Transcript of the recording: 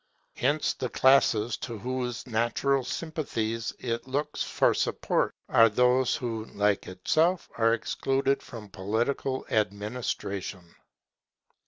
Hence the classes to whose natural sympathies it looks for support are those who, like itself, are excluded from political administration.